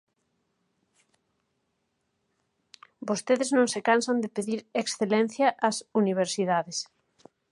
Vostedes non se cansan de pedir excelencia ás universidades.